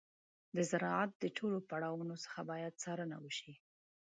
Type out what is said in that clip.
د زراعت ټول پړاوونه باید څارنه وشي.